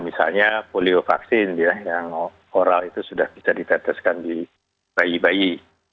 misalnya poliovaksin yang oral itu sudah bisa diteteskan di bayi bayi